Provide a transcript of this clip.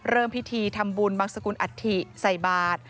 เริ่มพิธีธรรมบุญบังสกุลอธิใส่บาตร